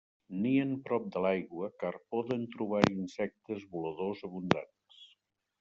Nien prop de l'aigua car poden trobar-hi insectes voladors abundants.